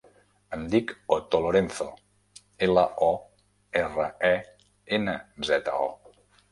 Em dic Oto Lorenzo: ela, o, erra, e, ena, zeta, o.